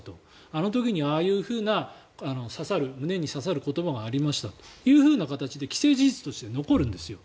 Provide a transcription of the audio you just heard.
あの時にああいうふうな胸に刺さる言葉がありましたと既成事実として残るんですよ。